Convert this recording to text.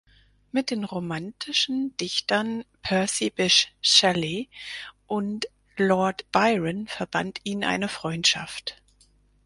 Mit den romantischen Dichtern Percy Bysshe Shelley und Lord Byron verband ihn eine Freundschaft.